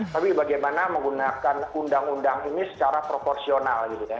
tapi bagaimana menggunakan undang undang ini secara proporsional